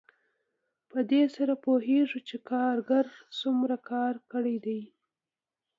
په دې سره پوهېږو چې کارګر څومره کار کړی دی